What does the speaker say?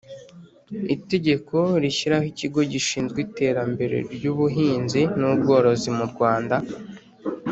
Itegeko rishyiraho ikigo gishinzwe iterambere ry ubuhinzi n ubworozi mu rwanda